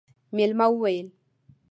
مېلمه وويل: